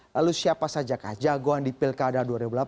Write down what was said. lalu siapa saja kah jagoan di pilkada dua ribu delapan belas